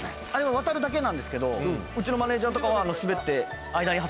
渡るだけなんですけどうちのマネジャーとかは。